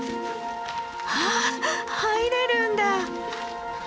あっ入れるんだ！